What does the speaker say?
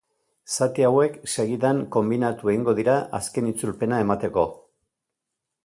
Zati hauek, segidan, konbinatu egingo dira azken itzulpena emateko.